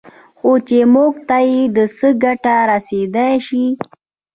خو چې موږ ته یې څه ګټه رسېدای شي